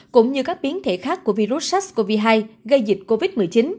cũng như các biến thể khác của virus sars cov hai gây dịch covid một mươi chín